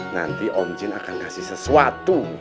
nanti om jin akan ngasih sesuatu